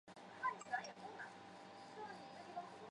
这部作品也是作者对梅尔莫兹的友情献礼。